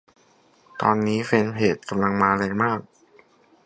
ตอนนี้แฟนเพจ กำลังมาแรงมาก